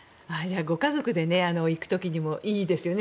ご家族で行く時にもいいですよね。